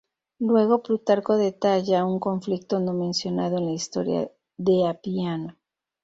Luego Plutarco detalla un conflicto no mencionado en la historia de Apiano.